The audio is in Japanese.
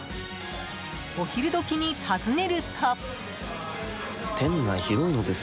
お昼時に訪ねると。